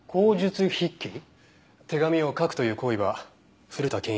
手紙を書くという行為は古田憲一